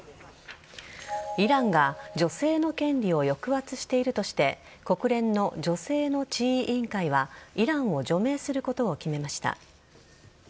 イランが女性の権利を抑圧しているとして国連の女性の地位委員会はイランを除名することを決めました。